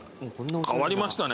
変わりましたね。